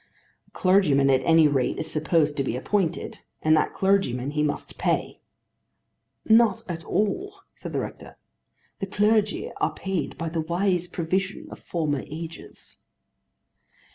"A clergyman at any rate is supposed to be appointed; and that clergyman he must pay." "Not at all," said the rector. "The clergy are paid by the wise provision of former ages."